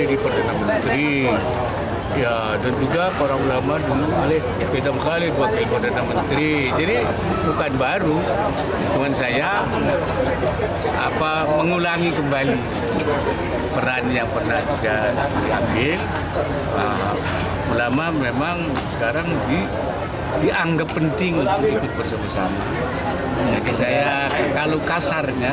itu saya bilang sebenarnya